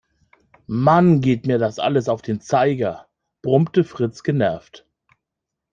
Mann, geht mir das alles auf den Zeiger, brummte Fritz genervt.